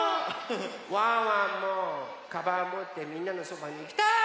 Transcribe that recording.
ワンワンもかばんもってみんなのそばにいきたい！